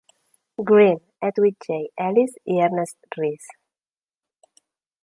Greene, Edwin J. Ellis i Ernest Rhys.